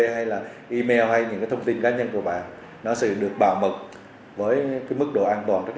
hay là email hay những cái thông tin cá nhân của bạn nó sẽ được bảo mật với cái mức độ an toàn rất